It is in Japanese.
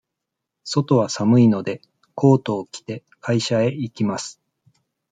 外は寒いので、コートを着て、会社へ行きます。